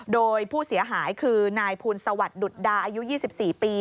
โดยผู้เสียหายคือนายภูลสวัสดิดุดดาอายุ๒๔ปี